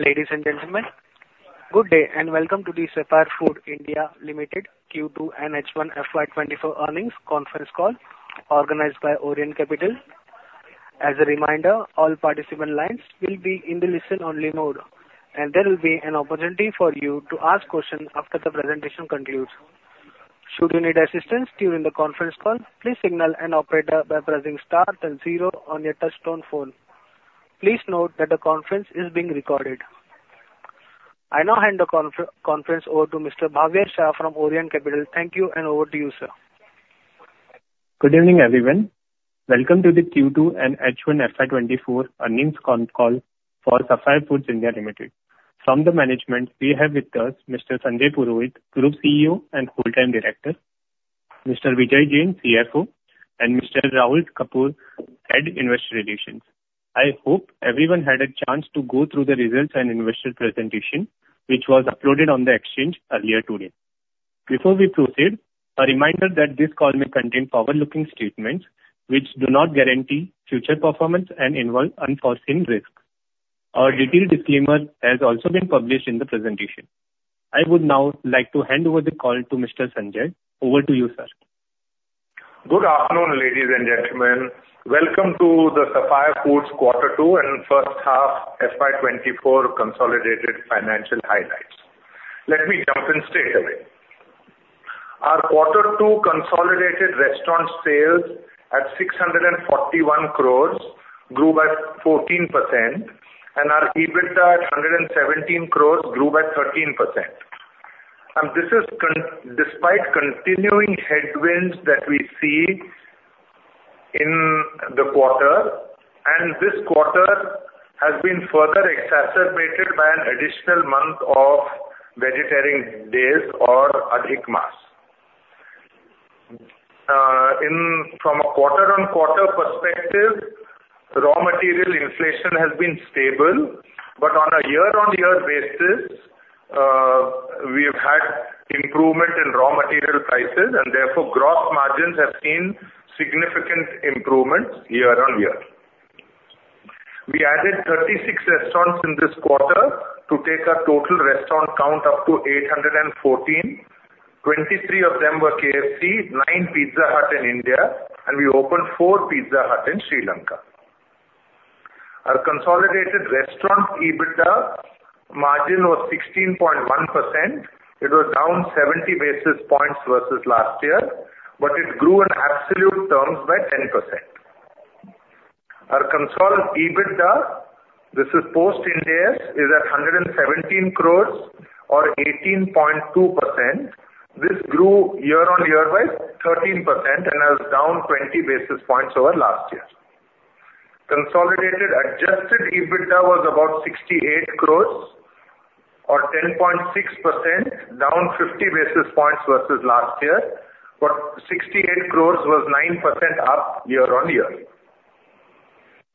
Ladies and gentlemen, good day, and welcome to the Sapphire Foods India Limited Q2 and H1 FY 2024 Earnings Conference call organized by Orient Capital. As a reminder, all participant lines will be in the listen-only mode, and there will be an opportunity for you to ask questions after the presentation concludes. Should you need assistance during the conference call, please signal an operator by pressing star then zero on your touchtone phone. Please note that the conference is being recorded. I now hand the conference over to Mr. Bhavya Shah from Orient Capital. Thank you, and over to you, sir. Good evening, everyone. Welcome to the Q2 and H1 FY24 Earnings Con Call for Sapphire Foods India Limited. From the management, we have with us Mr. Sanjay Purohit, Group CEO and full-time director, Mr. Vijay Jain, CFO, and Mr. Rahul Kapoor, Head of Investor Relations. I hope everyone had a chance to go through the results and investor presentation, which was uploaded on the exchange earlier today. Before we proceed, a reminder that this call may contain forward-looking statements which do not guarantee future performance and involve unforeseen risks. Our detailed disclaimer has also been published in the presentation. I would now like to hand over the call to Mr. Sanjay. Over to you, sir. Good afternoon, ladies and gentlemen. Welcome to the Sapphire Foods Q2 and First Half FY 2024 consolidated financial highlights. Let me jump in straight away. Our Q2 consolidated restaurant sales at 641 crores grew by 14%, and our EBITDA at 117 crores grew by 13%. This is despite continuing headwinds that we see in the quarter, and this quarter has been further exacerbated by an additional month of vegetarian days or Adhik Maas. From a quarter-on-quarter perspective, raw material inflation has been stable, but on a year-on-year basis, we have had improvement in raw material prices, and therefore gross margins have seen significant improvements year-on-year. We added 36 restaurants in this quarter to take our total restaurant count up to 814. 23 of them were KFC, nine Pizza Hut in India, and we opened four Pizza Hut in Sri Lanka. Our consolidated restaurant EBITDA margin was 16.1%. It was down 70 basis points versus last year, but it grew in absolute terms by 10%. Our consolidated EBITDA, this is post-Ind AS, is at 117 crores or 18.2%. This grew year on year by 13% and was down 20 basis points over last year. Consolidated adjusted EBITDA was about 68 crores or 10.6%, down 50 basis points versus last year, but 68 crores was 9% up year on year.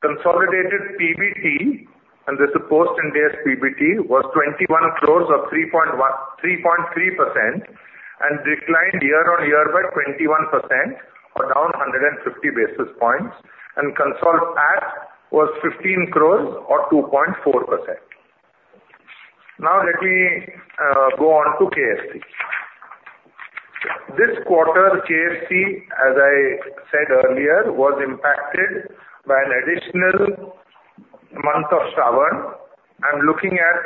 Consolidated PBT, and this is post-Ind AS PBT, was 21 crore or 3.3% and declined year-on-year by 21% or down 150 basis points, and consolidated PAT was 15 crore or 2.4%. Now let me go on to KFC. This quarter, KFC, as I said earlier, was impacted by an additional month of Shravan. I'm looking at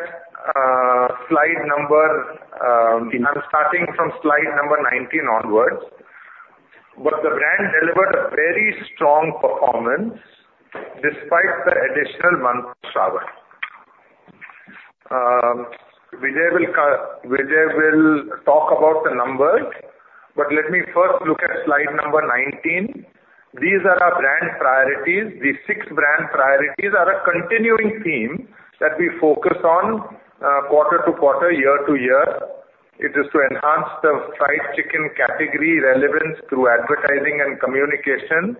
slide number. I'm starting from slide number 19 onwards. But the brand delivered a very strong performance despite the additional month of Shravan. Vijay will talk about the numbers, but let me first look at slide number 19. These are our brand priorities. These six brand priorities are a continuing theme that we focus on, quarter to quarter, year to year. It is to enhance the fried chicken category relevance through advertising and communication,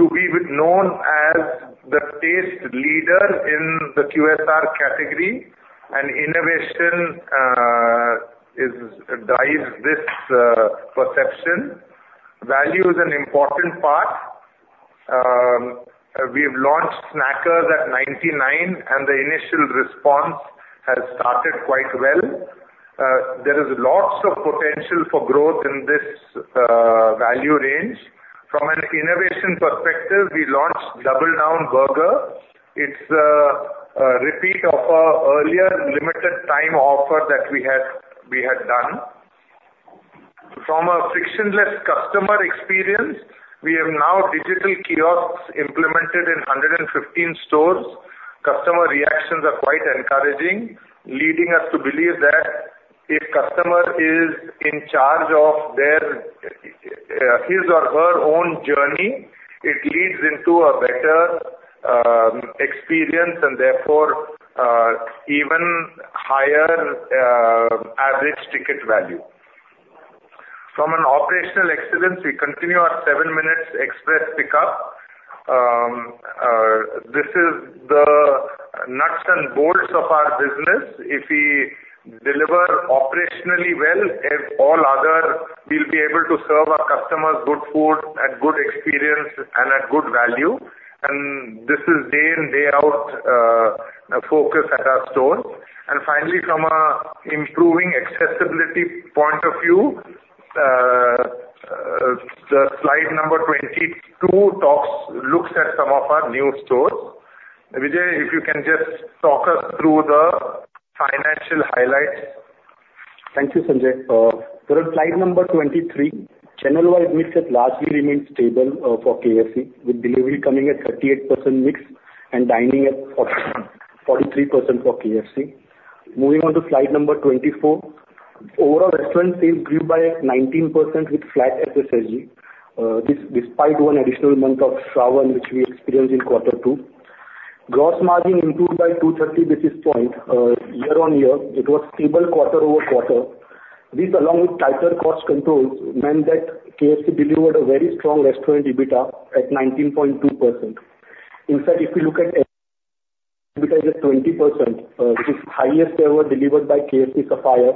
to be known as the taste leader in the QSR category. Innovation drives this perception. Value is an important part. We've launched Snackers at 99, and the initial response has started quite well. There is lots of potential for growth in this value range. From an innovation perspective, we launched Double Down Burger. It's a repeat of our earlier limited time offer that we had done. From a frictionless customer experience, we have now digital kiosks implemented in 115 stores. Customer reactions are quite encouraging, leading us to believe that if customer is in charge of their his or her own journey, it leads into a better experience, and therefore even higher average ticket value. From an operational excellence, we continue our seven minutes Express Pick-up. This is the nuts and bolts of our business. If we deliver operationally well, as all other, we'll be able to serve our customers good food at good experience and at good value.... And this is day in, day out, a focus at our store. And finally, from an improving accessibility point of view, the slide number 22 talks - looks at some of our new stores. Vijay, if you can just talk us through the financial highlights. Thank you, Sanjay. Go to slide number 23. Channel-wise mix has largely remained stable for KFC, with delivery coming at 38% mix and dining at 43% for KFC. Moving on to slide number 24. Overall restaurant sales grew by 19% with flat SSSG. This despite one additional month of Shravan, which we experienced inQ2. Gross margin improved by 230 basis points. Year-over-year, it was stable quarter-over-quarter. This, along with tighter cost controls, meant that KFC delivered a very strong restaurant EBITDA at 19.2%. In fact, if you look at EBITDA at 20%, which is highest ever delivered by KFC Sapphire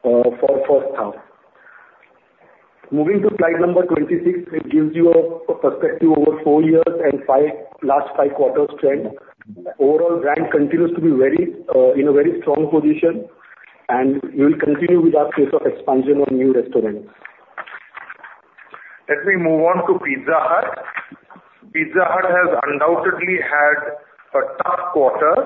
for H1. Moving to slide number 26, it gives you a perspective over four years and last five quarter trend. Overall, brand continues to be very, in a very strong position, and we will continue with our pace of expansion on new restaurants. As we move on to Pizza Hut. Pizza Hut has undoubtedly had a tough quarter.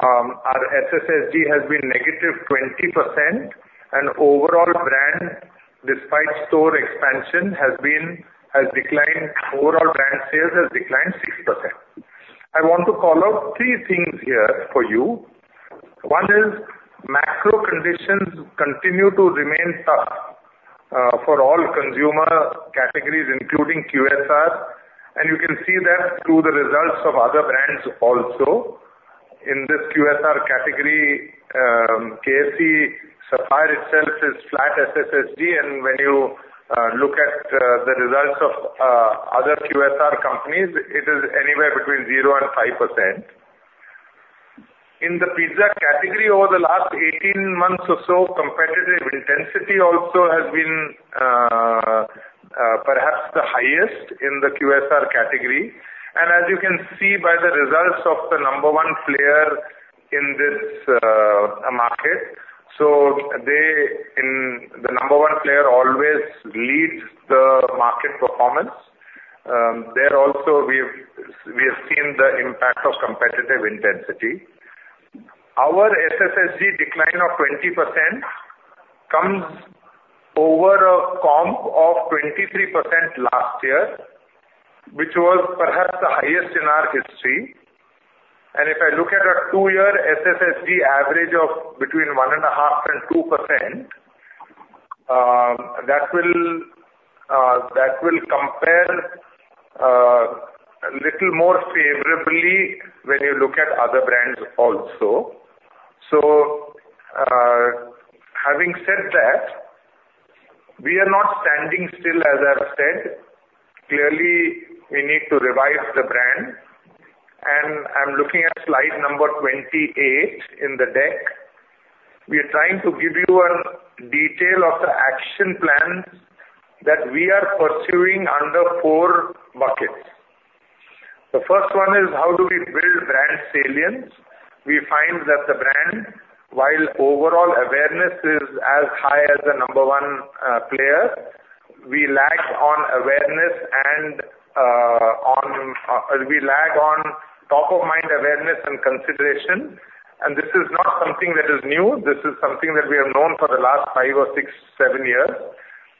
Our SSSG has been -20%, and overall brand, despite store expansion, has declined. Overall, brand sales has declined 6%. I want to call out three things here for you. One is macro conditions continue to remain tough for all consumer categories, including QSR, and you can see that through the results of other brands also. In this QSR category, KFC Sapphire itself is flat SSSG, and when you look at the results of other QSR companies, it is anywhere between 0% and 5%. In the pizza category, over the last 18 months or so, competitive intensity also has been perhaps the highest in the QSR category. As you can see by the results of the number one player in this market, so the number one player always leads the market performance. There also we have seen the impact of competitive intensity. Our SSSG decline of 20% comes over a comp of 23% last year, which was perhaps the highest in our history. And if I look at a two-year SSSG average of between 1.5% and 2%, that will compare a little more favorably when you look at other brands also. So, having said that, we are not standing still as I've said. Clearly, we need to revive the brand, and I'm looking at slide number 28 in the deck. We are trying to give you a detail of the action plans that we are pursuing under four buckets. The first one is: How do we build brand salience? We find that the brand, while overall awareness is as high as the number one player, we lag on awareness and on we lag on top-of-mind awareness and consideration. This is not something that is new. This is something that we have known for the last five or six, seven years.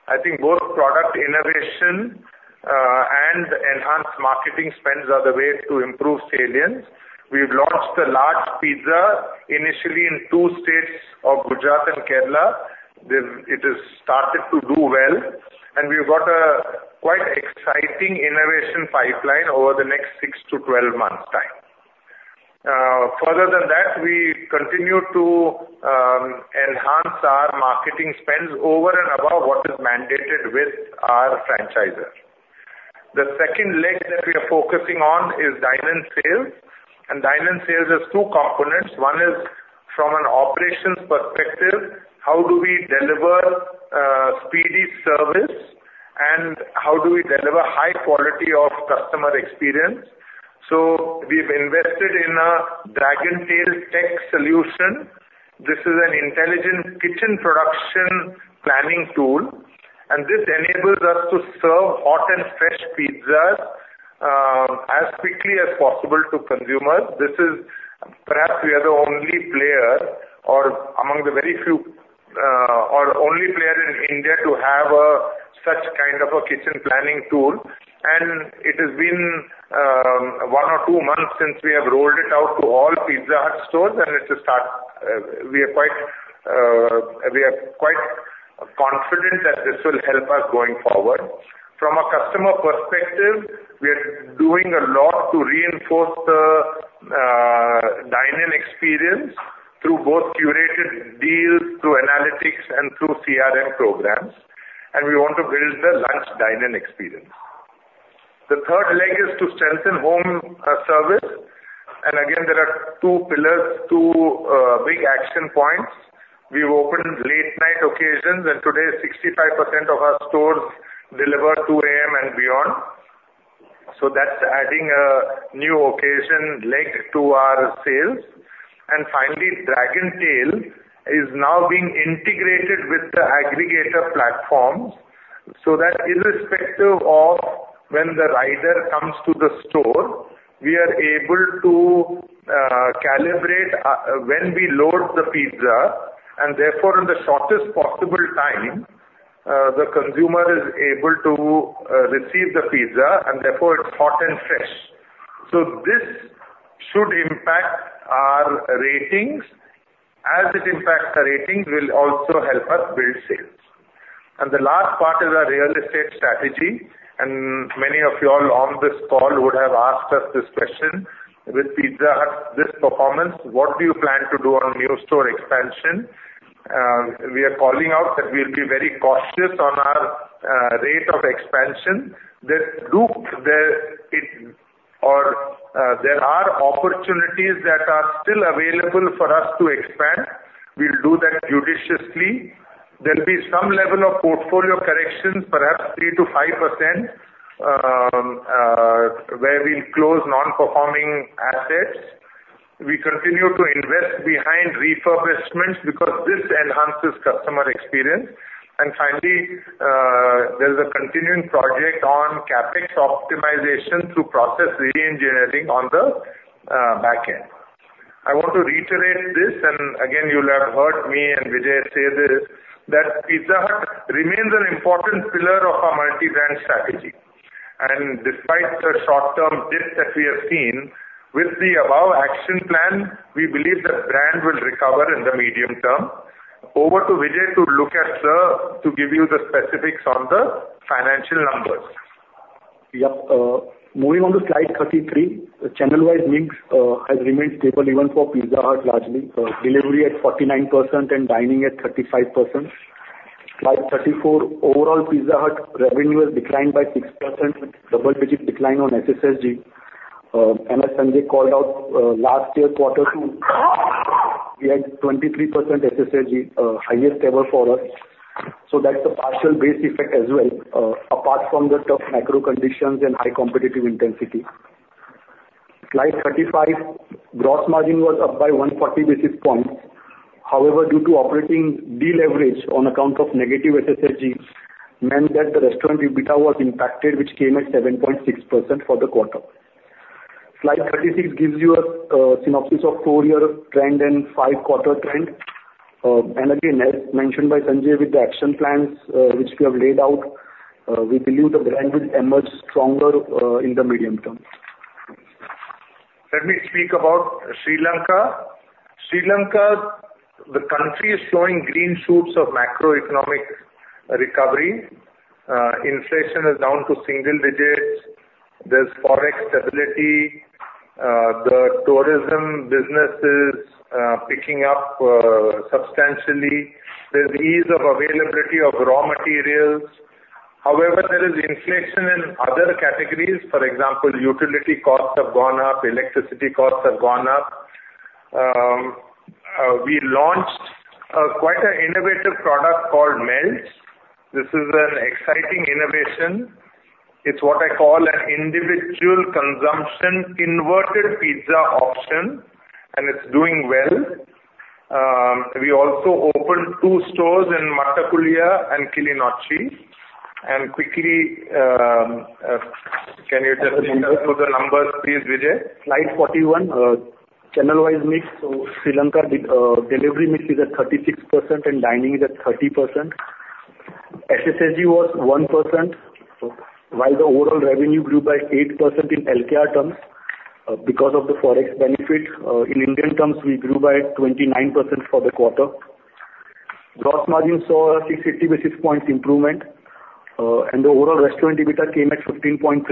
I think both product innovation and enhanced marketing spends are the ways to improve salience. We've launched a large pizza, initially in two states of Gujarat and Kerala. It has started to do well, and we've got a quite exciting innovation pipeline over the next six to 12 months' time. Further than that, we continue to enhance our marketing spends over and above what is mandated with our franchisor. The second leg that we are focusing on is dine-in sales, and dine-in sales has two components. One is from an operations perspective: How do we deliver speedy service, and how do we deliver high quality of customer experience? So we've invested in a Dragontail tech solution. This is an intelligent kitchen production planning tool, and this enables us to serve hot and fresh pizzas as quickly as possible to consumers. This is perhaps we are the only player or among the very few or only player in India to have such kind of a kitchen planning tool. And it has been one or two months since we have rolled it out to all Pizza Hut stores, and it's a start. We are quite we are quite confident that this will help us going forward. From a customer perspective, we are doing a lot to reinforce the dine-in experience through both curated deals, through analytics, and through CRM programs, and we want to build the lunch dine-in experience. The third leg is to strengthen home service. And again, there are two pillars, two big action points. We've opened late night occasions, and today 65% of our stores deliver 2:00 A.M. and beyond. So that's adding a new occasion leg to our sales. And finally, Dragontail is now being integrated with the aggregator platforms, so that irrespective of when the rider comes to the store, we are able to calibrate when we load the pizza, and therefore, in the shortest possible time, the consumer is able to receive the pizza, and therefore it's hot and fresh. So this should impact our ratings. As it impacts the ratings, will also help us build sales. The last part is our real estate strategy, and many of you all on this call would have asked us this question: With Pizza Hut, this performance, what do you plan to do on new store expansion? We are calling out that we'll be very cautious on our rate of expansion. There are opportunities that are still available for us to expand. We'll do that judiciously. There'll be some level of portfolio corrections, perhaps 3%-5%, where we'll close non-performing assets. We continue to invest behind refurbishments because this enhances customer experience. And finally, there's a continuing project on CapEx optimization through process reengineering on the back end. I want to reiterate this, and again, you'll have heard me and Vijay say this, that Pizza Hut remains an important pillar of our multi-brand strategy. Despite the short-term dip that we have seen, with the above action plan, we believe the brand will recover in the medium term. Over to Vijay to give you the specifics on the financial numbers. Yep. Moving on to slide 33. The channel-wise mix has remained stable even for Pizza Hut, largely. Delivery at 49% and dine-in at 35%. Slide 34, overall Pizza Hut revenue has declined by 6%, double-digit decline on SSSG. And as Sanjay called out, last year, Q2, we had 23% SSSG, highest ever for us. So that's a partial base effect as well, apart from the tough macro conditions and high competitive intensity. Slide 35, gross margin was up by 140 basis points. However, due to operating deleverage on account of negative SSSG, meant that the restaurant EBITDA was impacted, which came at 7.6% for the quarter. Slide 36 gives you a synopsis of four-year trend and five-quarter trend. Again, as mentioned by Sanjay, with the action plans which we have laid out, we believe the brand will emerge stronger in the medium term. Let me speak about Sri Lanka. Sri Lanka, the country is showing green shoots of macroeconomic recovery. Inflation is down to single digits. There's Forex stability. The tourism business is picking up substantially. There's ease of availability of raw materials. However, there is inflation in other categories. For example, utility costs have gone up, electricity costs have gone up. We launched quite an innovative product called Melts. This is an exciting innovation. It's what I call an individual consumption inverted pizza option, and it's doing well. We also opened two stores in Mattakkuliya and Kilinochchi. And quickly, can you just run through the numbers, please, Vijay? Slide 41. Channel-wise mix, so Sri Lanka, delivery mix is at 36% and dine-in is at 30%. SSSG was 1%, while the overall revenue grew by 8% in LKR terms, because of the Forex benefit. In Indian terms, we grew by 29% for the quarter. Gross margin saw a 650 basis points improvement, and the overall restaurant EBITDA came at 15.3%,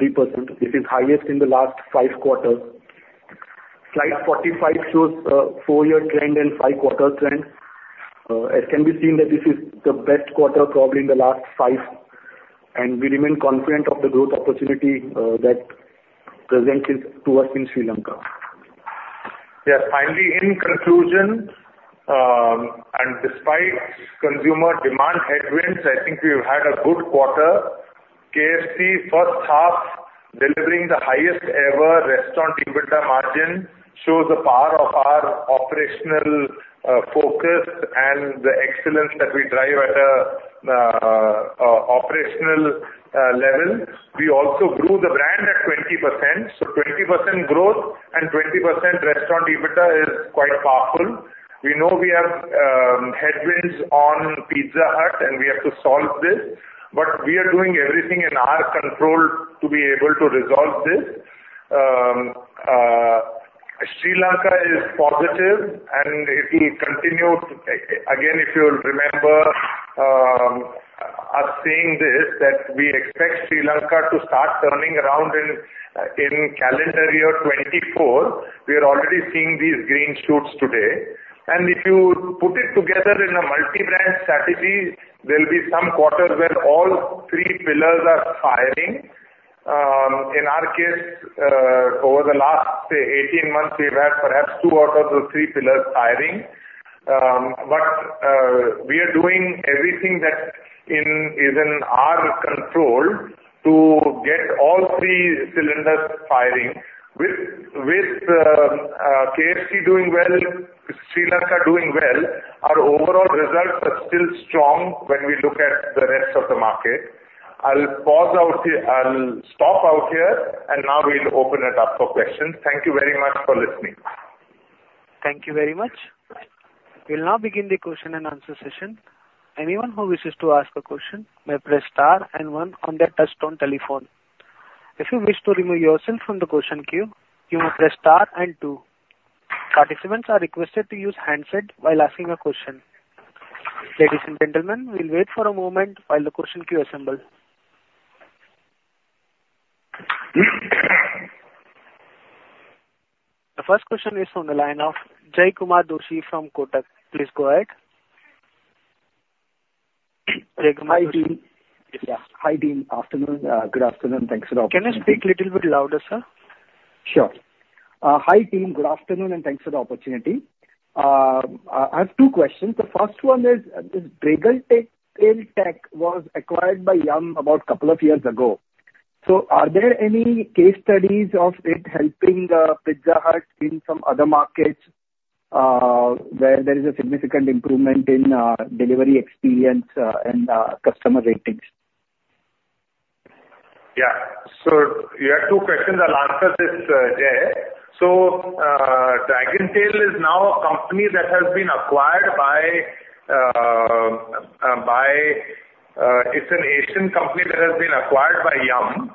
which is highest in the last five quarters. Slide 45 shows four-year trend and five-quarter trend. It can be seen that this is the best quarter probably in the last five, and we remain confident of the growth opportunity, that presents to us in Sri Lanka. Yes. Finally, in conclusion, and despite consumer demand headwinds, I think we've had a good quarter. KFC H1, delivering the highest ever restaurant EBITDA margin, shows the power of our operational focus and the excellence that we drive at a operational level. We also grew the brand at 20%. So 20% growth and 20% restaurant EBITDA is quite powerful. We know we have headwinds on Pizza Hut, and we have to solve this, but we are doing everything in our control to be able to resolve this. Sri Lanka is positive and it will continue. Again, if you'll remember, us saying this, that we expect Sri Lanka to start turning around in in calendar year 2024. We are already seeing these green shoots today. If you put it together in a multi-brand strategy, there'll be some quarters where all three pillars are firing. In our case, over the last, say, 18 months, we've had perhaps two out of the three pillars firing. But we are doing everything that is in our control to get all three cylinders firing. With KFC doing well, Sri Lanka doing well, our overall results are still strong when we look at the rest of the market. I'll pause out here. I'll stop out here, and now we'll open it up for questions. Thank you very much for listening. Thank you very much. We'll now begin the question and answer session. Anyone who wishes to ask a question may press star and one on their touchtone telephone. If you wish to remove yourself from the question queue, you may press star and two. Participants are requested to use handset while asking a question. Ladies and gentlemen, we'll wait for a moment while the question queue assembles. The first question is on the line of Jaykumar Doshi from Kotak. Please go ahead. Hi, team. Hi, team. Afternoon. Good afternoon. Thanks for the opportunity. Can you speak a little bit louder, sir? Sure. Hi, team. Good afternoon, and thanks for the opportunity. I have two questions. The first one is, Dragontail tech was acquired by Yum! about a couple of years ago. So are there any case studies of it helping, Pizza Hut in some other markets, where there is a significant improvement in, delivery experience, and, customer ratings? Yeah. So you have two questions. I'll answer this, Jay. So, Dragontail is now a company that has been acquired by... It's an Asian company that has been acquired by Yum!.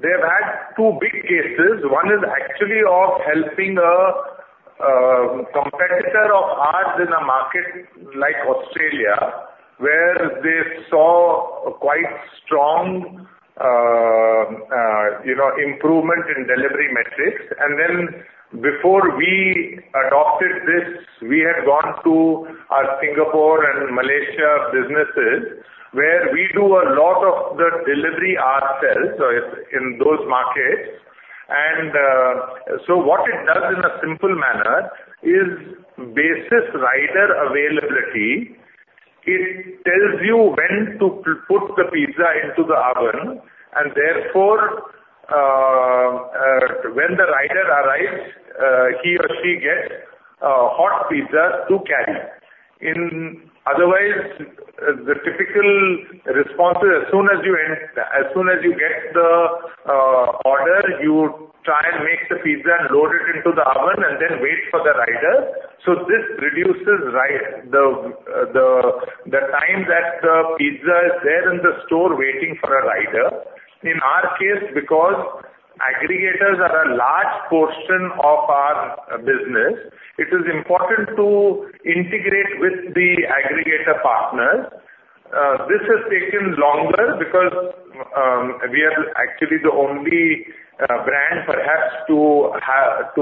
They've had two big cases. One is actually of helping a competitor of ours in a market like Australia, where they saw a quite strong, you know, improvement in delivery metrics. And then before we adopted this, we had gone to our Singapore and Malaysia businesses, where we do a lot of the delivery ourselves, so it's in those markets. And, so what it does in a simple manner is, basis rider availability, it tells you when to put the pizza into the oven, and therefore, when the rider arrives, he or she gets a hot pizza to carry. In other words, the typical response is as soon as you end, as soon as you get the order, you try and make the pizza and load it into the oven and then wait for the rider. So this reduces the time that the pizza is there in the store waiting for a rider. In our case, because aggregators are a large portion of our business, it is important to integrate with the aggregator partners. This has taken longer because we are actually the only brand perhaps to have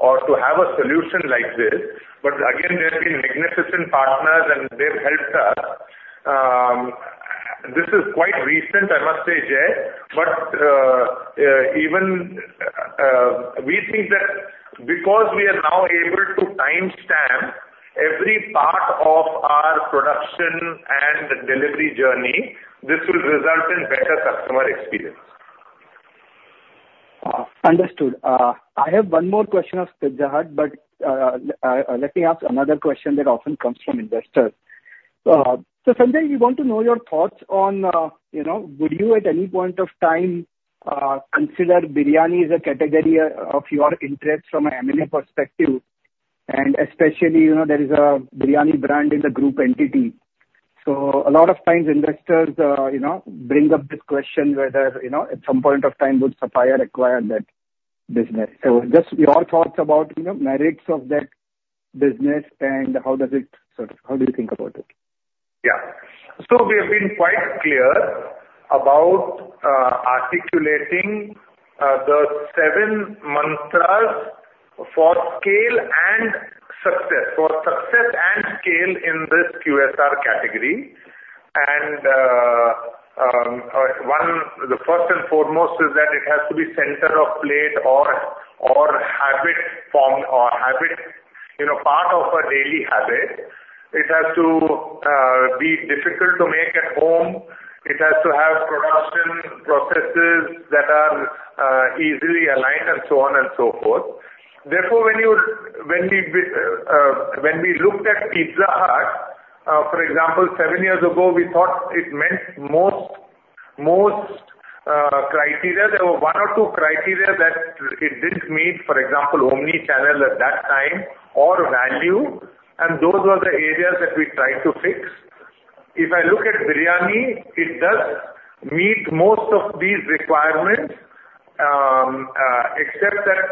or to have a solution like this. But again, they've been magnificent partners, and they've helped us. This is quite recent, I must say, Jay, but even we think that because we are now able to timestamp every part of our production and delivery journey, this will result in better customer experience. Understood. I have one more question of Pizza Hut, but, let me ask another question that often comes from investors. So Sanjay, we want to know your thoughts on, you know, would you at any point of time, consider biryani as a category of your interest from an M&A perspective? And especially, you know, there is a biryani brand in the group entity. So a lot of times investors, you know, bring up this question whether, you know, at some point of time, would Sapphire acquire that business? So just your thoughts about, you know, merits of that business, and how does it, so how do you think about it? Yeah. So we have been quite clear about articulating the seven mantras for scale and success, for success and scale in this QSR category. And one, the first and foremost is that it has to be center of plate or habit formed or habit, you know, part of a daily habit. It has to be difficult to make at home. It has to have production processes that are easily aligned and so on and so forth. Therefore, when we looked at Pizza Hut, for example, seven years ago, we thought it met most criteria. There were one or two criteria that it didn't meet, for example, omni-channel at that time or value, and those were the areas that we tried to fix. If I look at biryani, it does meet most of these requirements, except that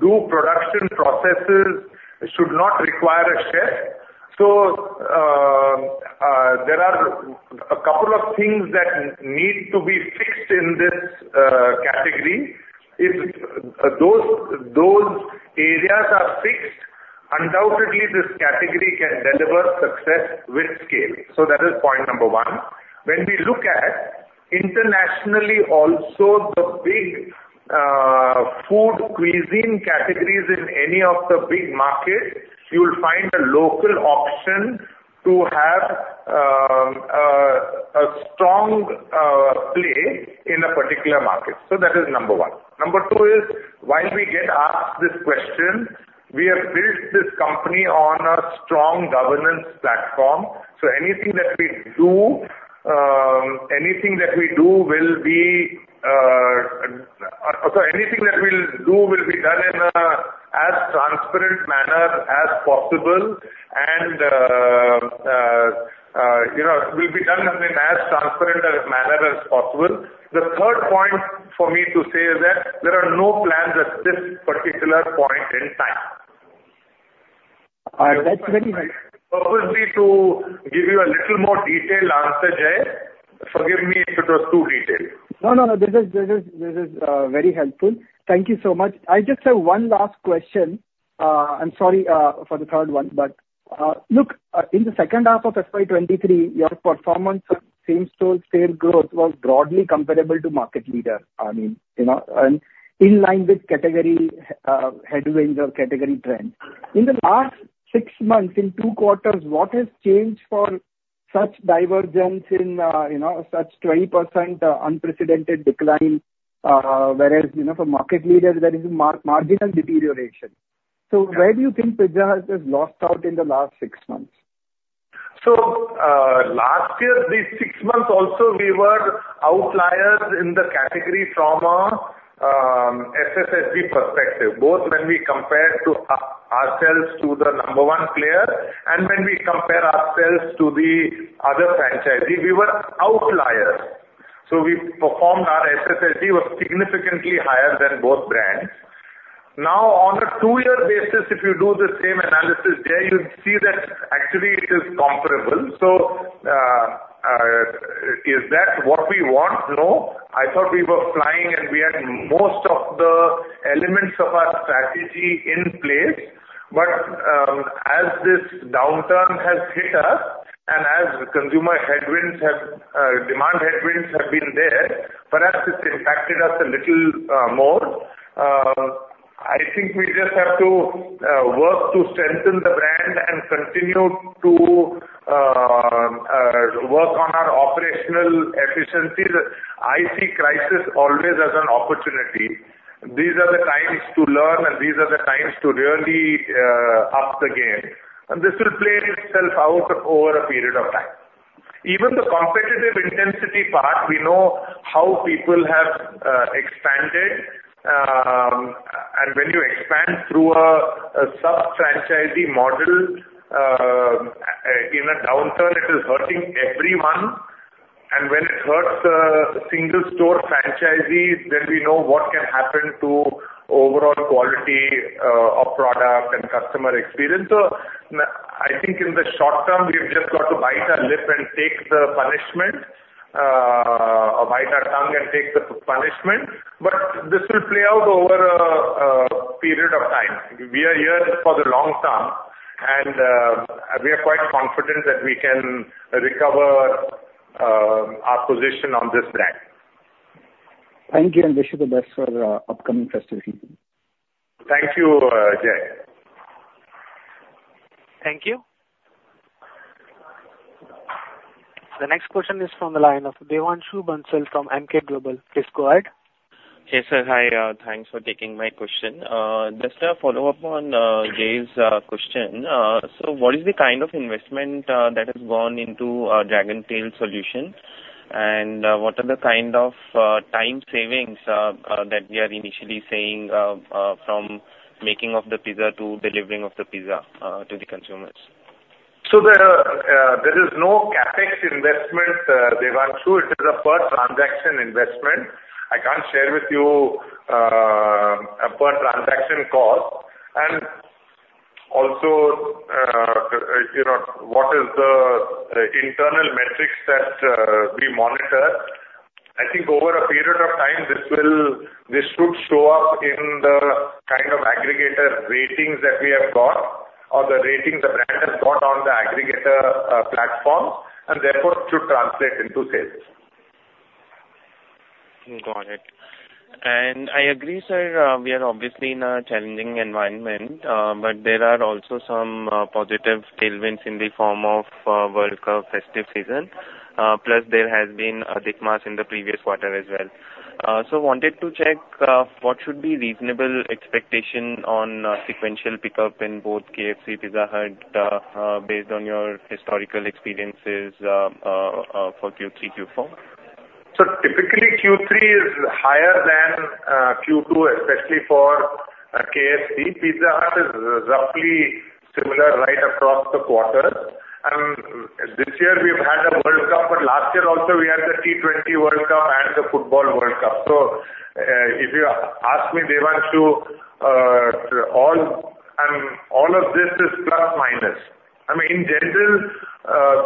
the production processes should not require a chef. So, there are a couple of things that need to be fixed in this category. If those areas are fixed, undoubtedly this category can deliver success with scale. So that is point number one. When we look at internationally also, the big food cuisine categories in any of the big markets, you will find a local option to have a strong play in a particular market. So that is number one. Number two is, while we get asked this question, we have built this company on a strong governance platform. So anything that we'll do will be done in as transparent a manner as possible, you know. The third point for me to say is that there are no plans at this particular point in time. All right. That's very nice. Purposely to give you a little more detailed answer, Jay. Forgive me if it was too detailed. No, no, no. This is very helpful. Thank you so much. I just have one last question. I'm sorry for the third one, but look, in the H2 of FY 2023, your performance on same-store sales growth was broadly comparable to market leader. I mean, you know, and in line with category headwinds or category trend. In the last six months, in two quarters, what has changed for such divergence in, you know, such 20% unprecedented decline, whereas, you know, for market leaders there is marginal deterioration. So where do you think Pizza Hut has lost out in the last six months? So, last year, the six months also, we were outliers in the category from a SSSG perspective, both when we compared to ourselves to the number one player and when we compare ourselves to the other franchisee, we were outliers. So we performed; our SSSG was significantly higher than both brands. Now, on a two-year basis, if you do the same analysis there, you'll see that actually it is comparable. So, is that what we want? No. I thought we were flying, and we had most of the elements of our strategy in place. But, as this downturn has hit us, and as consumer headwinds have, demand headwinds have been there, perhaps it's impacted us a little, more. I think we just have to work to strengthen the brand and continue to work on our operational efficiencies. I see crisis always as an opportunity. These are the times to learn, and these are the times to really up the game, and this will play itself out over a period of time. Even the competitive intensity part, we know how people have expanded, and when you expand through a sub-franchisee model in a downturn, it is hurting everyone. And when it hurts single store franchisees, then we know what can happen to overall quality of product and customer experience. So I think in the short term, we've just got to bite our lip and take the punishment, or bite our tongue and take the punishment. But this will play out over a period of time. We are here for the long term, and we are quite confident that we can recover our position on this brand. Thank you, and wish you the best for the upcoming festive season. Thank you, Jay. Thank you. The next question is from the line of Devanshu Bansal from Emkay Global. Please go ahead. Hey, sir. Hi, thanks for taking my question. Just a follow-up on Jay's question. So what is the kind of investment that has gone into our Dragontail solution? And what are the kind of time savings that we are initially seeing from making of the pizza to delivering of the pizza to the consumers? So there is no CapEx investment, Devanshu. It is a per transaction investment. I can't share with you a per transaction cost and also, you know, what is the internal metrics that we monitor. I think over a period of time, this will - this should show up in the kind of aggregator ratings that we have got or the ratings the brand has got on the aggregator platform, and therefore should translate into sales. Got it. I agree, sir, we are obviously in a challenging environment, but there are also some positive tailwinds in the form of World Cup festive season, plus there has been an Adhik Maas in the previous quarter as well. Wanted to check, what should be reasonable expectation on sequential pickup in both KFC, Pizza Hut, for Q3, Q4? So typically, Q3 is higher than Q2, especially for KFC. Pizza Hut is roughly similar right across the quarters. And this year we've had a World Cup, but last year also, we had the T20 World Cup and the Football World Cup. So, if you ask me, Devanshu, all, and all of this is plus, minus.... I mean, in general,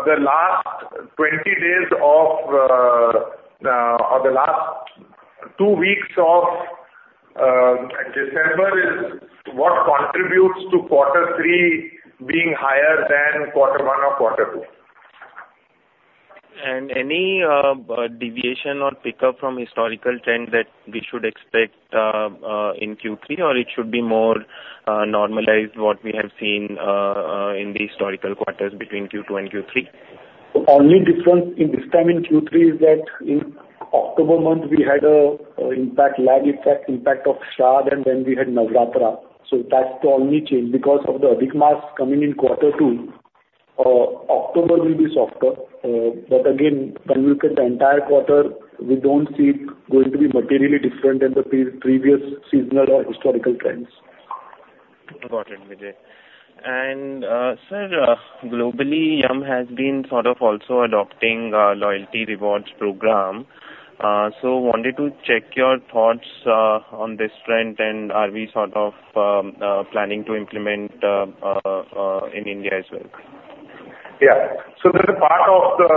the last 20 days of, or the last 2 weeks of, December is what contributes to Q3 being higher than Q1 or Q2. Any deviation or pickup from historical trend that we should expect in Q3, or it should be more normalized, what we have seen in the historical quarters between Q2 and Q3? The only difference in this time in Q3 is that in October month, we had a lag impact of Shradh, and then we had Navratri. So that's the only change. Because of the Adhik Maas coming in Q2, October will be softer. But again, when you look at the entire quarter, we don't see it going to be materially different than the pre-previous seasonal or historical trends. Got it, Vijay. Sir, globally, Yum! has been sort of also adopting a loyalty rewards program. So wanted to check your thoughts on this trend, and are we sort of planning to implement in India as well? Yeah. So that's a part of the...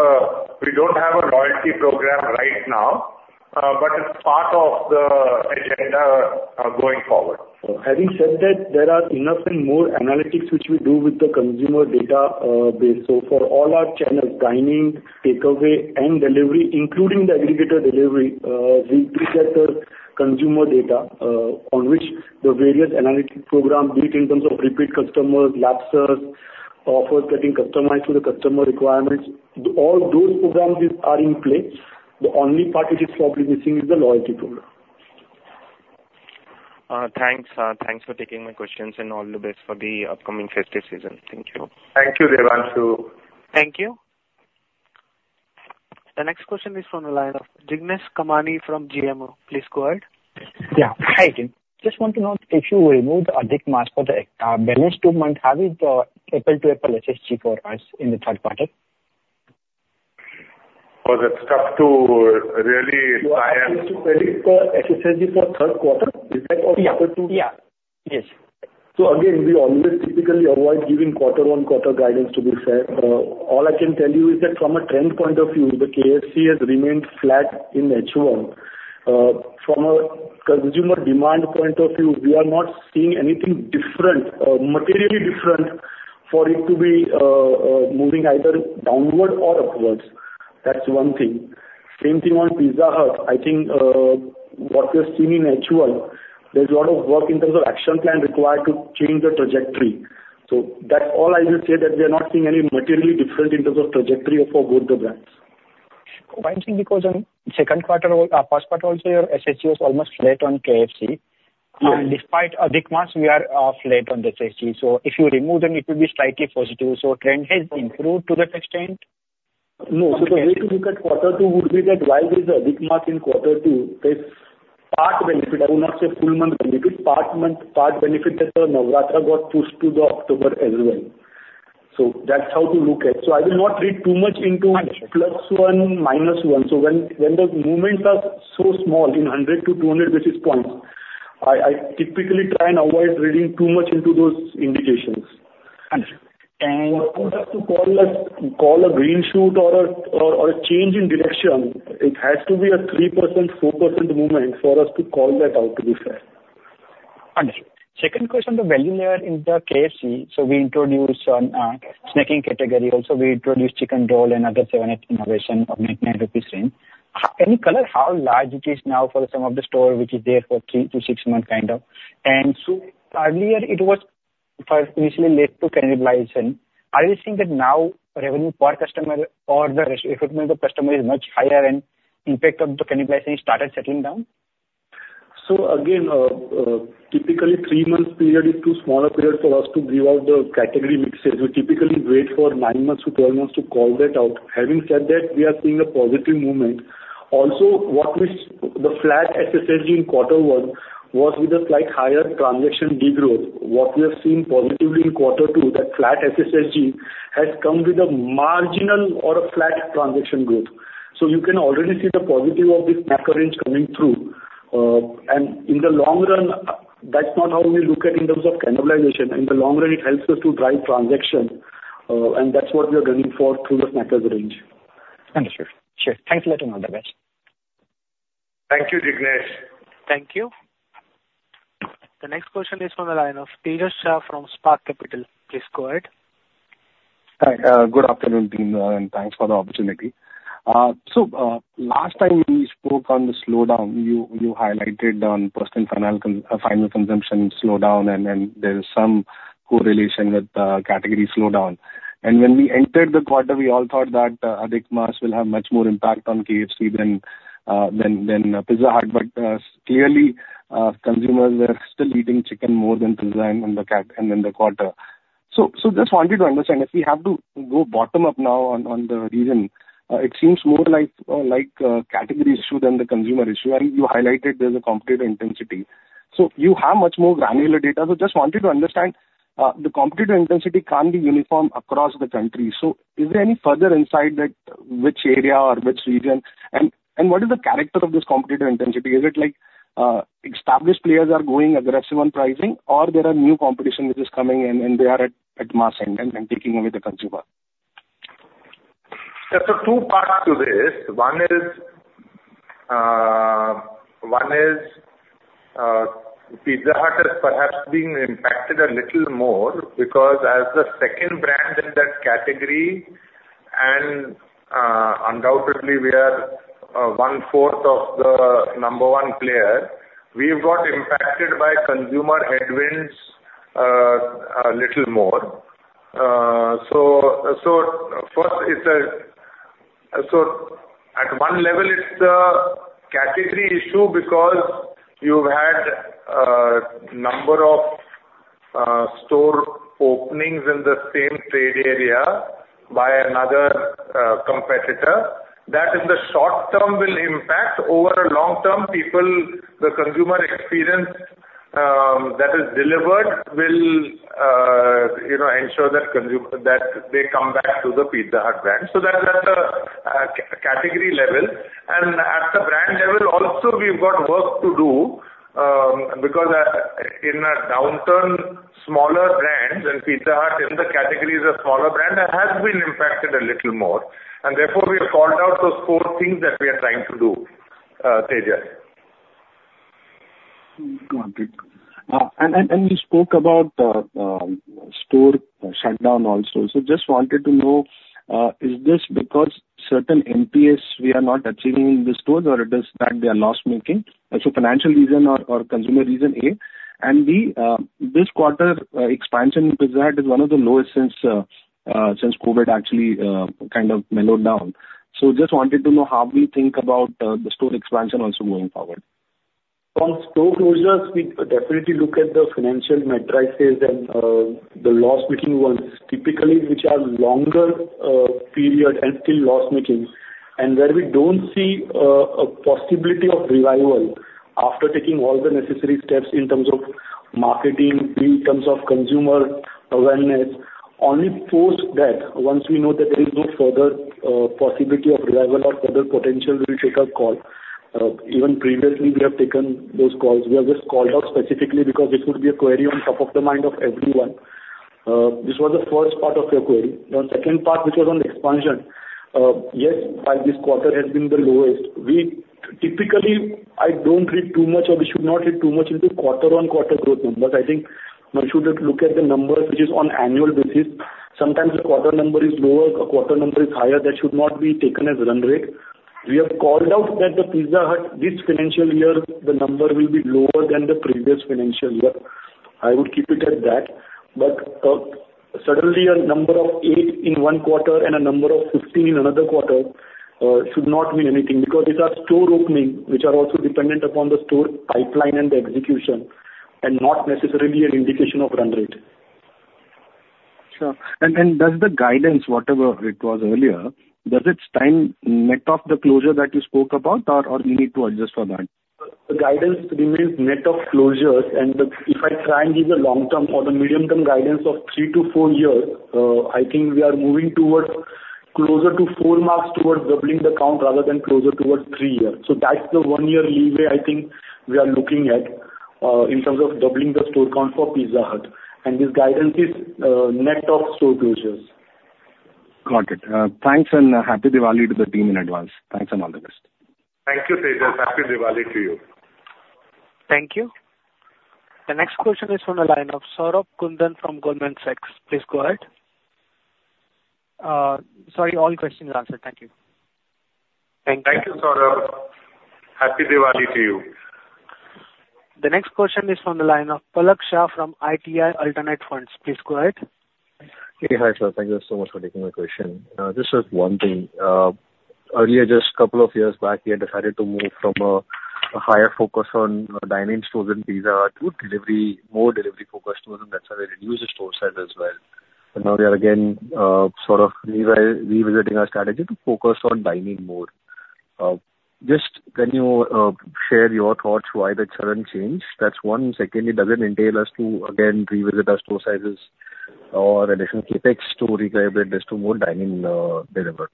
We don't have a loyalty program right now, but it's part of the agenda, going forward. So having said that, there are enough and more analytics which we do with the consumer data base. So for all our channels, dining, takeaway, and delivery, including the aggregator delivery, we pre-set the consumer data on which the various analytic program, be it in terms of repeat customers, lapses, offers getting customized to the customer requirements, all those programs is, are in place. The only part it is probably missing is the loyalty program. Thanks, thanks for taking my questions and all the best for the upcoming festive season. Thank you. Thank you, Devanshu. Thank you. The next question is from the line of Jignesh Kamani from GMO. Please go ahead. Yeah. Hi, team. Just want to know, if you remove the Adhik Maas for the balance two months, have you the apples-to-apples SSSG for us in the Q3? Oh, that's tough to really try and- You are asked to predict the SSSG for Q3, is that or Q2? Yeah. Yeah. Yes. So again, we always typically avoid giving quarter-on-quarter guidance to be fair. All I can tell you is that from a trend point of view, the KFC has remained flat in H1. From a consumer demand point of view, we are not seeing anything different, materially different for it to be, moving either downward or upwards. That's one thing. Same thing on Pizza Hut. I think, what we are seeing in H1, there's a lot of work in terms of action plan required to change the trajectory. So that's all I will say, that we are not seeing any materially different in terms of trajectory for both the brands. Why? Because in Q2 or Q1 also, your SSSG was almost flat on KFC. Yeah. Despite Adhik Maas, we are flat on the SSSG. So if you remove, then it will be slightly positive. So trend has improved to that extent? No, so the way to look at Q2 would be that while there's a Adhik Maas in Q2, there's part benefit, I would not say full month benefit, part month, part benefit, that the Navratri got pushed to the October as well. So that's how to look at. So I will not read too much into- Understood. +1, -1. So when the movements are so small, in 100 basis points-200 basis points, I typically try and avoid reading too much into those indications. Understood. And- For us to call a green shoot or a change in direction, it has to be a 3%-4% movement for us to call that out, to be fair. Understood. Second question, the value layer in the KFC. We introduced snacking category, also we introduced chicken roll and other seven, eight innovation of 99 rupees range. Can you color how large it is now for some of the store, which is there for three to six months, kind of? Earlier it was first initially led to cannibalization. Are you seeing that now, revenue per customer or the customer is much higher and impact of the cannibalization started settling down? Again, typically, three months period is too small a period for us to give out the category mixes. We typically wait for nine months to 12 months to call that out. Having said that, we are seeing a positive movement. Also, what we saw—the flat SSSG in Q1 was with a slight higher transaction de-growth. What we have seen positively in Q2, that flat SSSG has come with a marginal or a flat transaction growth. You can already see the positive of this snackage range coming through. In the long run, that's not how we look at in terms of cannibalization. In the long run, it helps us to drive transaction, and that's what we are doing for through the snackage range. Understood. Sure. Thanks for letting me know, guys. Thank you, Jignesh. Thank you. The next question is from the line of Tejas Shah from Spark Capital. Please go ahead. Hi. Good afternoon, team, and thanks for the opportunity. So, last time we spoke on the slowdown, you highlighted on personal financial consumption slowdown, and then there is some correlation with category slowdown. When we entered the quarter, we all thought that Adhik Maas will have much more impact on KFC than Pizza Hut, but clearly, consumers were still eating chicken more than pizza in the quarter. So just wanted to understand, if we have to go bottom-up now on the reason, it seems more like category issue than the consumer issue. You highlighted there's a competitive intensity. So you have much more granular data. So just wanted to understand, the competitive intensity can't be uniform across the country. Is there any further insight that which area or which region? And what is the character of this competitive intensity? Is it like established players are going aggressive on pricing, or there are new competition which is coming in, and they are at mass end and taking away the consumer? There are two parts to this. One is, Pizza Hut has perhaps been impacted a little more because as the second brand in that category, and undoubtedly we are one-fourth of the number one player, we've got impacted by consumer headwinds a little more. So first it's at one level, it's a category issue because you've had number of store openings in the same trade area by another competitor. That in the short term will impact. Over a long term, people, the consumer experience that is delivered will, you know, ensure that consumer, that they come back to the Pizza Hut brand. So that's at the category level. At the brand level also, we've got work to do, because in a downturn, smaller brands, and Pizza Hut in the category is a smaller brand, that has been impacted a little more. Therefore, we have called out those four things that we are trying to do, Tejas. Got it. And you spoke about store shutdown also. So just wanted to know, is this because certain MPS we are not achieving in the stores, or it is that they are loss-making? So financial reason or consumer reason, A. And B, this quarter, expansion Pizza Hut is one of the lowest since COVID actually, kind of mellowed down. So just wanted to know how we think about the store expansion also going forward. On store closures, we definitely look at the financial metrics and the loss-making ones, typically, which are longer period and still loss-making. And where we don't see a possibility of revival after taking all the necessary steps in terms of marketing, in terms of consumer awareness, only post that, once we know that there is no further possibility of revival or further potential, we will take a call. Even previously, we have taken those calls. We have just called out specifically because this would be a query on top of the mind of everyone. This was the first part of your query. The second part, which was on expansion, yes, this quarter has been the lowest. We typically, I don't read too much, or we should not read too much into quarter-on-quarter growth numbers. I think one should look at the numbers, which is on annual basis. Sometimes the quarter number is lower, a quarter number is higher, that should not be taken as run rate. We have called out that the Pizza Hut, this financial year, the number will be lower than the previous financial year. I would keep it at that. But suddenly a number of eight in one quarter and a number of 15 in another quarter should not mean anything, because these are store opening, which are also dependent upon the store pipeline and the execution, and not necessarily an indication of run rate. Sure. And does the guidance, whatever it was earlier, does it take net of the closure that you spoke about, or we need to adjust for that? The guidance remains net of closures, and if I try and give a long-term or the medium-term guidance of three to four years, I think we are moving towards closer to four marks towards doubling the count rather than closer towards three years. So that's the one-year leeway I think we are looking at, in terms of doubling the store count for Pizza Hut, and this guidance is net of store closures. Got it. Thanks, and Happy Diwali to the team in advance. Thanks, and all the best. Thank you, Tejas. Happy Diwali to you. Thank you. The next question is from the line of Saurabh Kundan from Goldman Sachs. Please go ahead. Sorry, all questions are answered. Thank you. Thank you, Saurabh. Happy Diwali to you. The next question is from the line of Palak Shah from ITI Alternate Funds. Please go ahead. Okay. Hi, sir. Thank you so much for taking my question. Just one thing. Earlier, just couple of years back, we had decided to move from a higher focus on dine-in stores in Pizza Hut to delivery, more delivery-focused stores, and that's how we reduced the store size as well. And now we are again, sort of revisiting our strategy to focus on dine-in more. Just can you share your thoughts why the sudden change? That's one. Secondly, does it entail us to again revisit our store sizes or additional CapEx to revive it as to more dine-in, deliver?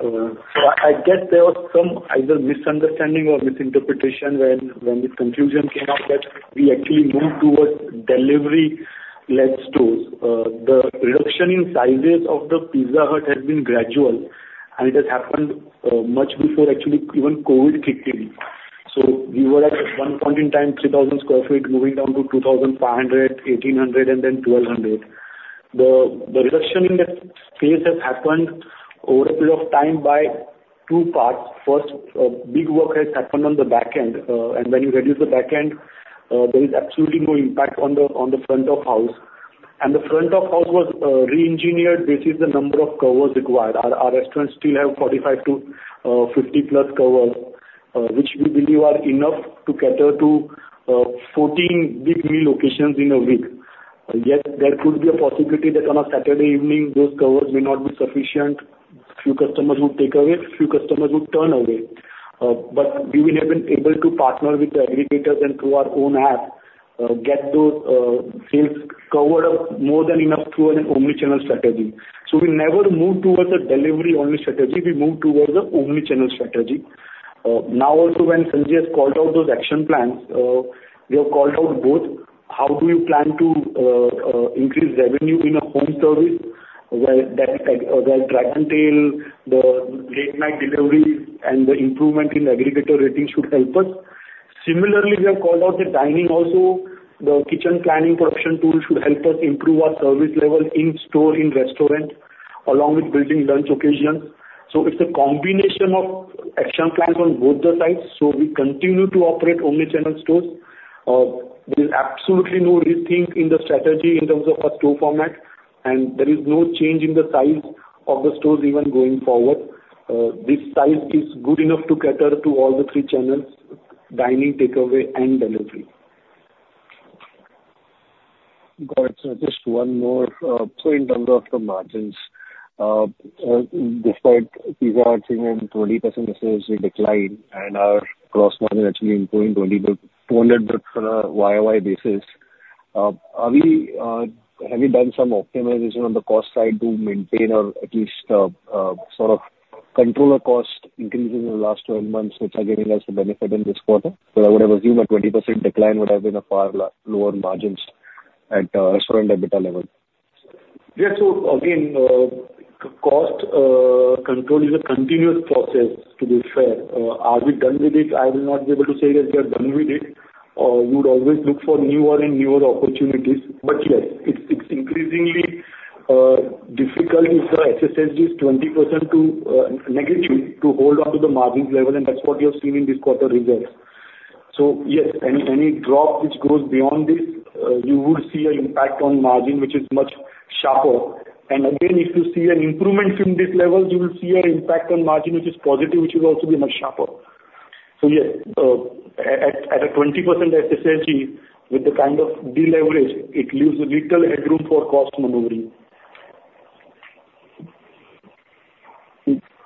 So I guess there was some either misunderstanding or misinterpretation when this confusion came out that we actually moved towards delivery-led stores. The reduction in sizes of the Pizza Hut has been gradual, and it has happened much before actually even COVID kicked in. So we were at one point in time, 3,000 sq ft, moving down to 2,500 sq ft, 1,800 sq ft, and then 1,200 sq ft. The reduction in the space has happened over a period of time by two parts. First, big work has happened on the back end, and when you reduce the back end, there is absolutely no impact on the front of house. And the front of house was reengineered basis the number of covers required. Our restaurants still have 45-50 plus covers, which we believe are enough to cater to 14 big meal locations in a week. Yes, there could be a possibility that on a Saturday evening, those covers may not be sufficient. Few customers would take away, few customers would turn away. But we have been able to partner with the aggregators and through our own app get those sales covered up more than enough through an omni-channel strategy. So we never moved towards a delivery-only strategy, we moved towards an omni-channel strategy. Now also when Sanjay has called out those action plans, we have called out both how do you plan to increase revenue in a home service, where that is, where Dragontail, the late night deliveries and the improvement in aggregator ratings should help us. Similarly, we have called out the dine-in also. The kitchen planning production tool should help us improve our service level in store, in restaurant, along with building lunch occasion. It's a combination of action plans on both the sides. We continue to operate omni-channel stores. There is absolutely no rethink in the strategy in terms of our store format, and there is no change in the size of the stores even going forward. This size is good enough to cater to all the three channels, dining, takeaway, and delivery. Got it. So just one more. So in terms of the margins, despite Pizza Hut seeing a 20% sales decline and our gross margin actually improving only by 200 basis on a YoY basis, have you done some optimization on the cost side to maintain or at least, sort of control the cost increase in the last 12 months, which are giving us the benefit in this quarter? Because I would have assumed a 20% decline would have been a far lower margins at restaurant EBITDA level. Yeah. So again, cost control is a continuous process to be fair. Are we done with it? I will not be able to say that we are done with it. You would always look for newer and newer opportunities, but yes, it's increasingly difficult if the SSSG is 20% to negative, to hold on to the margins level, and that's what you have seen in this quarter results. So yes, any drop which goes beyond this, you would see an impact on margin, which is much sharper. And again, if you see an improvement from this level, you will see an impact on margin, which is positive, which will also be much sharper. So yes, at a 20% SSSG, with the kind of deleverage, it leaves little headroom for cost maneuvering.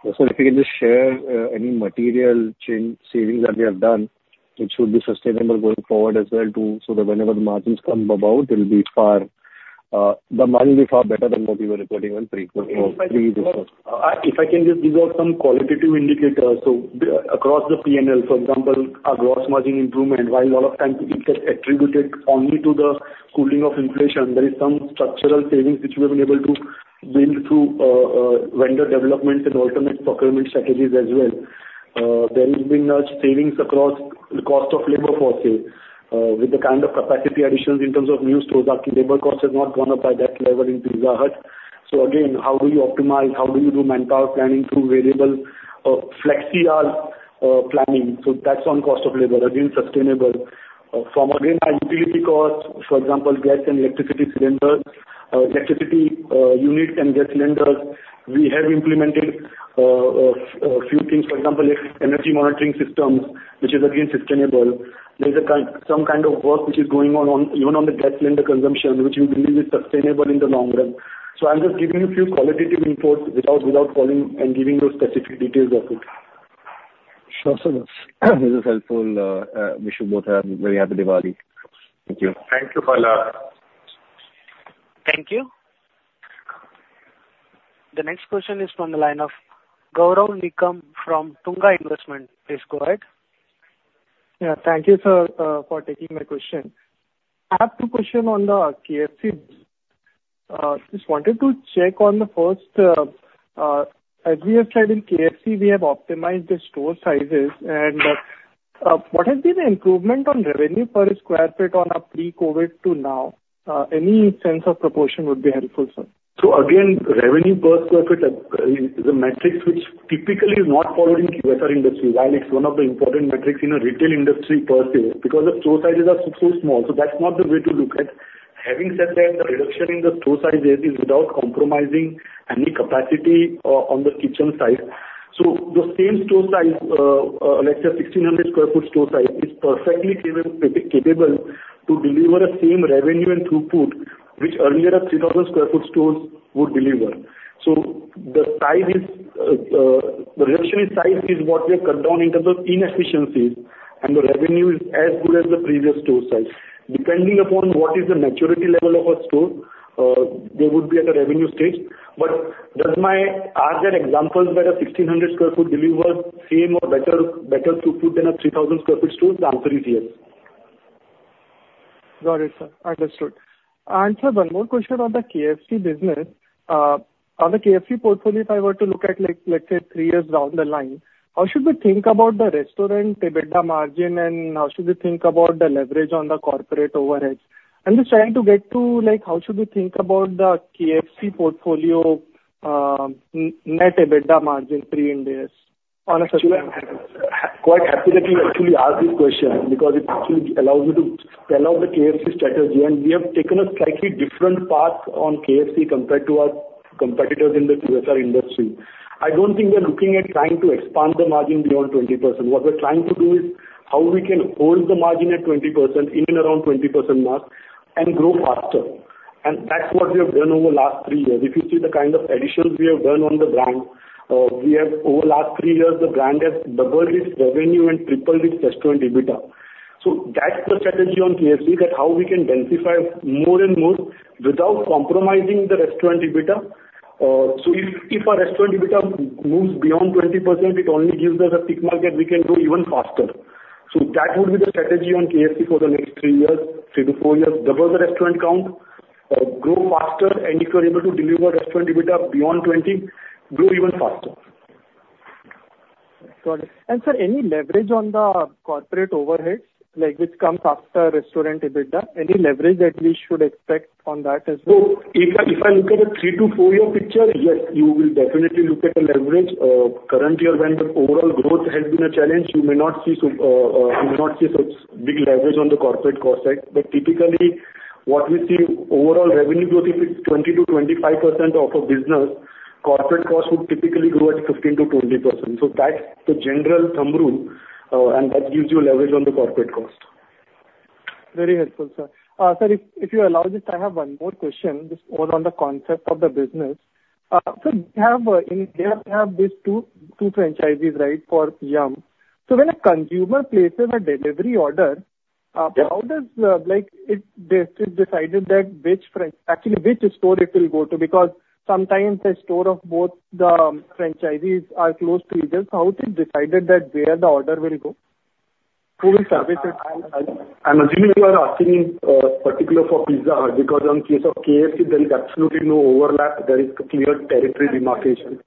If you can just share any material change, savings that we have done, which would be sustainable going forward as well, too, so that whenever the margins come about, they'll be far, the margin will be far better than what we were reporting on pre-quarter or pre- If I can just give out some qualitative indicators. So across the PNL, for example, our gross margin improvement, while a lot of times it gets attributed only to the cooling of inflation, there is some structural savings which we have been able to build through, vendor development and alternate procurement strategies as well. There has been a savings across the cost of labor forces. With the kind of capacity additions in terms of new stores, labor cost has not gone up by that level in Pizza Hut. So again, how do you optimize, how do you do manpower planning through variable, flexi hours, planning? So that's on cost of labor, again, sustainable. From again, our utility costs, for example, gas and electricity cylinders, electricity, units and gas cylinders, we have implemented, a few things. For example, energy monitoring systems, which is again sustainable. There's some kind of work which is going on, on even on the gas cylinder consumption, which we believe is sustainable in the long run. So I'm just giving you a few qualitative inputs without, without calling and giving those specific details of it. Sure, sir. This is helpful, wish you both a very happy Diwali. Thank you. Thank you, Palak. Thank you. The next question is from the line of Gaurav Nigam from Tunga Investments. Please go ahead. Yeah, thank you, sir, for taking my question. I have two question on the KFC. Just wanted to check on the first, as we have said, in KFC, we have optimized the store sizes and, what has been the improvement on revenue per square foot on a pre-COVID to now? Any sense of proportion would be helpful, sir. So again, revenue per square foot is a matrix which typically is not followed in QSR industry, while it's one of the important metrics in a retail industry per se, because the store sizes are so, so small. So that's not the way to look at. Having said that, the reduction in the store size is without compromising any capacity on the kitchen side. So the same store size, let's say 1,600 sq ft store size, is perfectly capable to deliver the same revenue and throughput which earlier a 3,000 sq ft stores would deliver. So the size is, the reduction in size is what we have cut down in terms of inefficiencies, and the revenue is as good as the previous store size. Depending upon what is the maturity level of a store, they would be at a revenue stage. But does... Are there examples where a 1,600 sq ft delivers same or better, better throughput than a 3,000 sq ft store? The answer is yes. Got it, sir. Understood. And sir, one more question on the KFC business. On the KFC portfolio, if I were to look at, like, let's say, three years down the line, how should we think about the restaurant EBITDA margin, and how should we think about the leverage on the corporate overhead? I'm just trying to get to, like, how should we think about the KFC portfolio, net EBITDA margin three years in on a system? Quite happy that you actually asked this question, because it actually allows me to sell out the KFC strategy, and we have taken a slightly different path on KFC compared to our competitors in the QSR industry. I don't think we are looking at trying to expand the margin beyond 20%. What we're trying to do is how we can hold the margin at 20%, in and around 20% mark... and grow faster, and that's what we have done over the last three years. If you see the kind of additions we have done on the brand, we have over the last three years, the brand has doubled its revenue and tripled its restaurant EBITDA. So that's the strategy on KFC, that how we can densify more and more without compromising the restaurant EBITDA. So if, if our restaurant EBITDA moves beyond 20%, it only gives us a tick mark that we can grow even faster. So that would be the strategy on KFC for the next three years, three to four years, double the restaurant count, grow faster, and if you're able to deliver restaurant EBITDA beyond 20%, grow even faster. Got it. And, sir, any leverage on the corporate overhead, like, which comes after restaurant EBITDA, any leverage that we should expect on that as well? So if I look at a three to four-year picture, yes, you will definitely look at the leverage. Currently, when the overall growth has been a challenge, you may not see so, you may not see such big leverage on the corporate cost side. But typically, what we see overall revenue growth, if it's 20%-25% of a business, corporate cost would typically grow at 15%-20%. So that's the general thumb rule, and that gives you a leverage on the corporate cost. Very helpful, sir. Sir, if you allow this, I have one more question, just more on the concept of the business. So you have in India, you have these two franchises, right, for Yum!? So when a consumer places a delivery order, Yeah. How does, like, it's decided that which—actually, which store it will go to? Because sometimes the store of both the franchisees are close to each other. How is it decided that where the order will go? Who will service it? I'm assuming you are asking particular for Pizza Hut, because in case of KFC, there is absolutely no overlap, there is clear territory demarcation.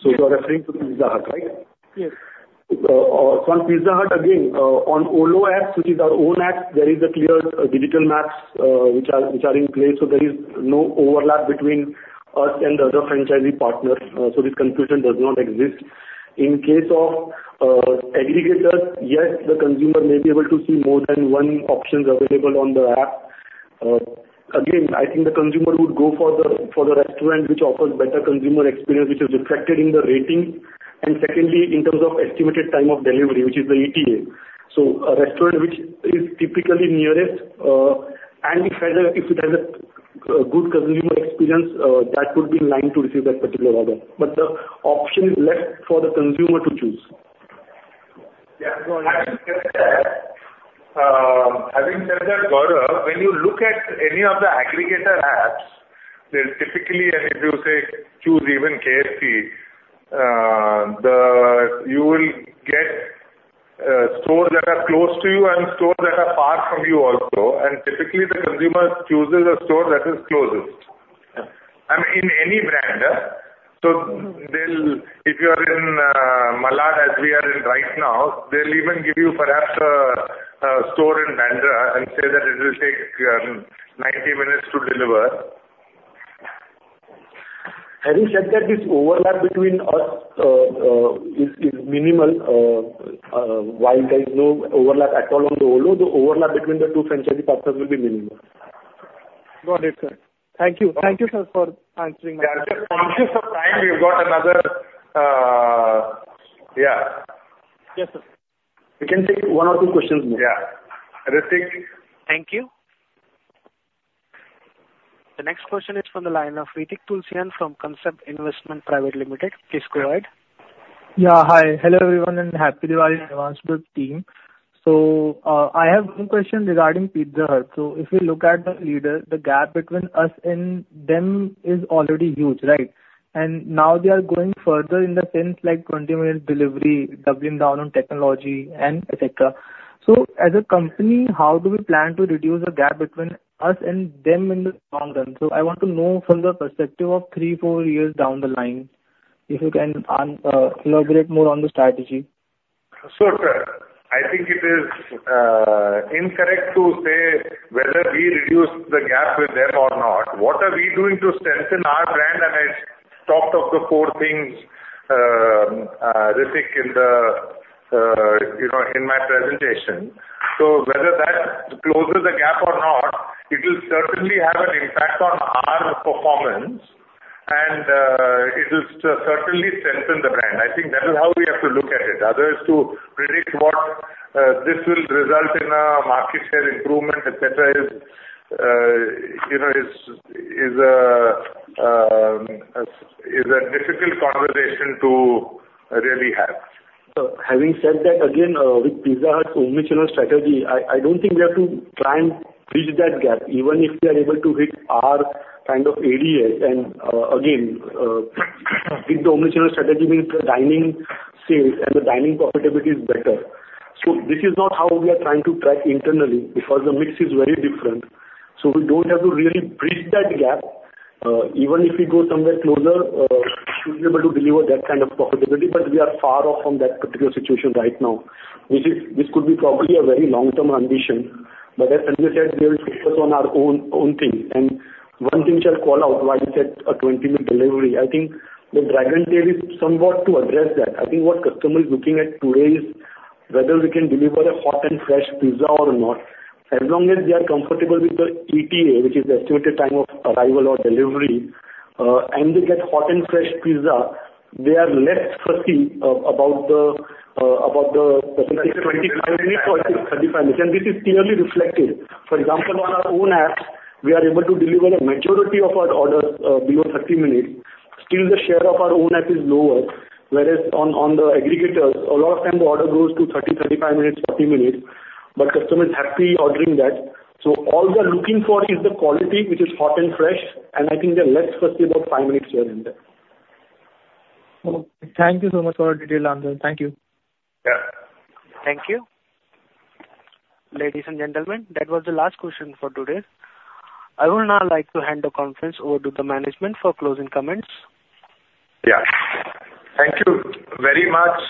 So you are referring to Pizza Hut, right? Yes. So on Pizza Hut, again, on Olo app, which is our own app, there is a clear digital maps which are in place, so there is no overlap between us and the other franchisee partners, so this confusion does not exist. In case of aggregators, yes, the consumer may be able to see more than one options available on the app. Again, I think the consumer would go for the restaurant which offers better consumer experience, which is reflected in the rating, and secondly, in terms of estimated time of delivery, which is the ETA. So a restaurant which is typically nearest and if it has a good consumer experience, that would be in line to receive that particular order. But the option is left for the consumer to choose. Yeah. Having said that, having said that, Gaurav, when you look at any of the aggregator apps, they'll typically, and if you say, choose even KFC, you will get stores that are close to you and stores that are far from you also, and typically the consumer chooses a store that is closest. Yeah. I mean, in any brand. So they'll. If you are in Malad, as we are in right now, they'll even give you perhaps a store in Bandra and say that it will take 90 minutes to deliver. Having said that, this overlap between us is minimal. While there is no overlap at all on the Olo, the overlap between the two franchisee partners will be minimal. Got it, sir. Thank you. Thank you, sir, for answering my question. Gaurav, conscious of time, we've got another. Yeah. Yes, sir. We can take one or two questions more. Yeah. Ritik? Thank you. The next question is from the line of Hritik Tulsyan from Concept Investwell. Please go ahead. Yeah, hi. Hello, everyone, and Happy Diwali in advance to the team. So, I have one question regarding Pizza Hut. So if you look at the leader, the gap between us and them is already huge, right? And now they are going further in the sense, like, 20 minutes delivery, doubling down on technology and et cetera. So as a company, how do we plan to reduce the gap between us and them in the long run? So I want to know from the perspective of three, four years down the line, if you can elaborate more on the strategy? Sure. I think it is incorrect to say whether we reduced the gap with them or not. What are we doing to strengthen our brand? And I talked of the four things, Hritik, in the, you know, in my presentation. So whether that closes the gap or not, it will certainly have an impact on our performance and it will certainly strengthen the brand. I think that is how we have to look at it. Otherwise, to predict what this will result in a market share improvement, et cetera, is, you know, a difficult conversation to really have. So having said that, again, with Pizza Hut's omnichannel strategy, I don't think we have to try and bridge that gap, even if we are able to hit our kind of areas and, again, with the omnichannel strategy means the dine-in sales and the dine-in profitability is better. So this is not how we are trying to track internally, because the mix is very different. So we don't have to really bridge that gap. Even if we go somewhere closer, should be able to deliver that kind of profitability, but we are far off from that particular situation right now. This could be probably a very long-term ambition, but as Sanjay said, we will focus on our own thing. And one thing which I'll call out, while you said a 20-minute delivery, I think the Dragontail is somewhat to address that. I think what customer is looking at today is whether we can deliver a hot and fresh pizza or not. As long as they are comfortable with the ETA, which is the estimated time of arrival or delivery, and they get hot and fresh pizza, they are less fussy about the, about the specific 25, 30, 35 minutes. And this is clearly reflected. For example, on our own app, we are able to deliver the majority of our orders below 30 minutes. Still, the share of our own app is lower, whereas on, on the aggregators, a lot of time the order goes to 30, 35 minutes, 40 minutes, but customer is happy ordering that. All we are looking for is the quality, which is hot and fresh, and I think they're less fussy about five minutes here and there. Okay. Thank you so much for the detailed answer. Thank you. Yeah. Thank you. Ladies and gentlemen, that was the last question for today. I would now like to hand the conference over to the management for closing comments. Yeah. Thank you very much,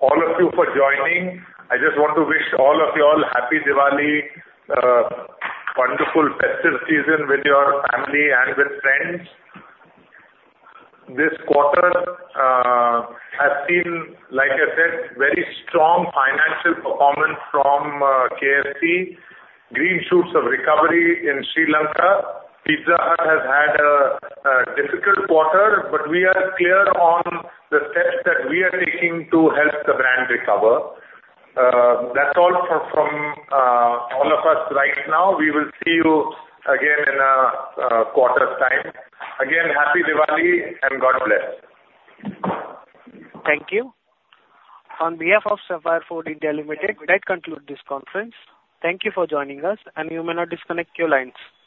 all of you, for joining. I just want to wish all of you all Happy Diwali, wonderful festive season with your family and with friends. This quarter has been, like I said, very strong financial performance from KFC. Green shoots of recovery in Sri Lanka. Pizza Hut has had a difficult quarter, but we are clear on the steps that we are taking to help the brand recover. That's all from all of us right now. We will see you again in a quarter's time. Again, Happy Diwali, and God bless! Thank you. On behalf of Sapphire Foods India Limited, that concludes this conference. Thank you for joining us, and you may now disconnect your lines.